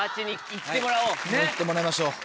行ってもらいましょう。